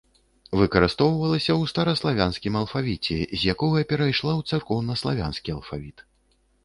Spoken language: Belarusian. Выкарыстоўвалася ў стараславянскім алфавіце, з якога перайшла ў царкоўнаславянскі алфавіт.